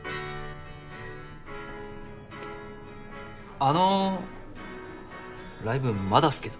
あのライブまだっすけど。